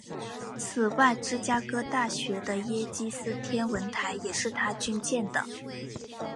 此外芝加哥大学的耶基斯天文台也是他捐建的。